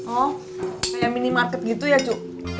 oh kayak minimarket gitu ya cuk